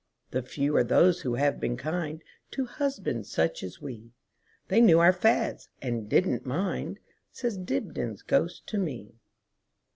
The few are those who have been kindTo husbands such as we; They knew our fads, and did n't mind,"Says Dibdin's ghost to me.